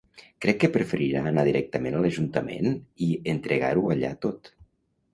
Crec que preferirà anar directament a l'ajuntament i entregar-ho allà tot.